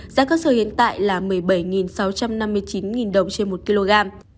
giá cơ sở hiện tại là một mươi bảy sáu trăm năm mươi chín đồng trên một kg